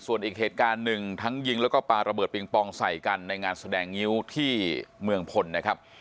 ส่วนอีกเหตุการณ์หนึ่งทั้งยิงแล้วก็ปลาระเบิดปิงปองใส่กันในงานแสดงงิ้วที่เมืองพลนะครับ